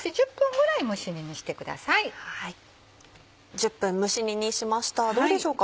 １０分蒸し煮にしましたどうでしょうか？